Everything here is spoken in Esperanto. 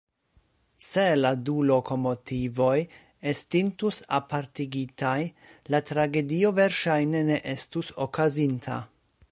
Se la du lokomotivoj estintus apartigitaj, la tragedio verŝajne ne estus okazinta.